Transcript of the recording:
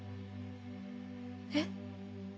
えっ？